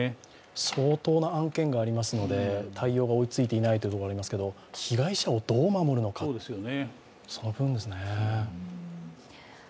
相当な案件がありますので、対応が追いついていないというのはありますけど被害者をどう守るのかですね。